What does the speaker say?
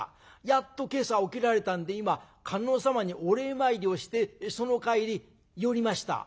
やっと今朝起きられたんで今観音様にお礼参りをしてその帰り寄りました」。